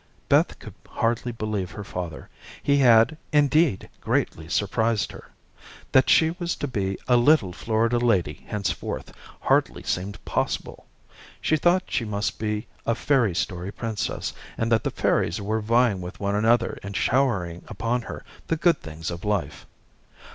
Beth could hardly believe her father. He had, indeed, greatly surprised her. That she was to be a little Florida lady henceforth, hardly seemed possible. She thought she must be a fairy story princess, and that the fairies were vying with one another in showering upon her the good things of life.